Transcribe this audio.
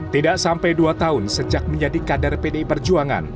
tidak sampai dua tahun sejak menjadi kader pdi perjuangan